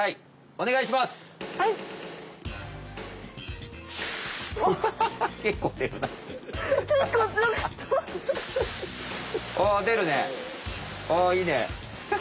おおいいね。